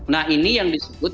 nah ini yang disebut